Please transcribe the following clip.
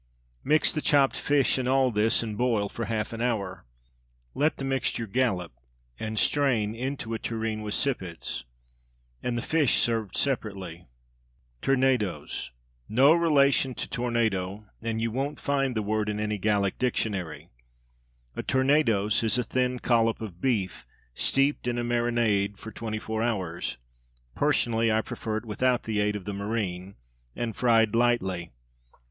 Mix the chopped fish in all this, and boil for half an hour. Let the mixture "gallop" and strain into a tureen with sippets, and the fish served separately. Tournedos. No relation to tornado, and you won't find the word in any Gallic dictionary. A tournedos is a thin collop of beef, steeped in a marinade for twenty four hours (personally I prefer it without the aid of the marine) and fried lightly.